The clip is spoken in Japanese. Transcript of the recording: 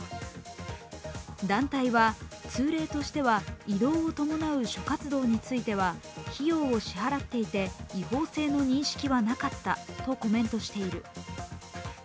団体は通例としては移動を伴う諸活動については費用を支払っていて、違法性の認識はなかったとコメントしている。